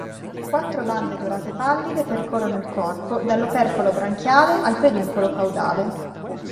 Quattro bande dorate pallide percorrono il corpo dall'opercolo branchiale al peduncolo caudale.